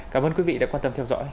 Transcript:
cảm ơn quý vị đã quan tâm theo dõi